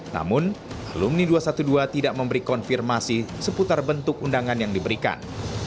namun alumni dua ratus dua belas tidak memberi konfirmasi seputar bentuk undangan yang diberikan